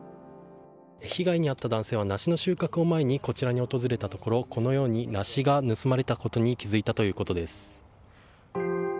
被害に遭った男性は梨の収穫を前にこちらに訪れたところこのように梨が盗まれたことに気付いたということです。